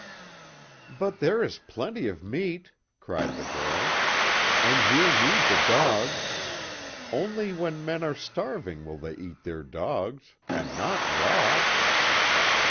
"But, there is plenty of meat!" cried the girl, "And you'll need the dogs! Only when men are starving will they eat their dogs and not raw!"